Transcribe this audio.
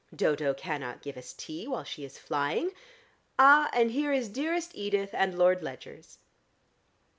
"Dodo cannot give us tea while she is flying. Ah, and here is dearest Edith and Lord Ledgers."